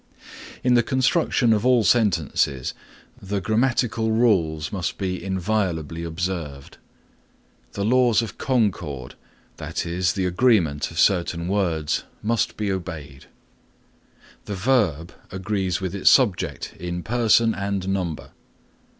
In the construction of all sentences the grammatical rules must be inviolably observed. The laws of concord, that is, the agreement of certain words, must be obeyed. (1) The verb agrees with its subject in person and number.